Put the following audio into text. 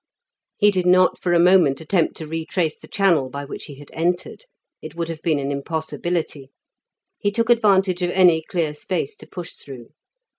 He did not for a moment attempt to retrace the channel by which he had entered; it would have been an impossibility; he took advantage of any clear space to push through.